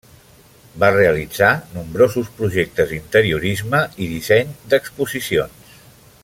Va realitzar nombrosos projectes d'interiorisme i disseny d'exposicions.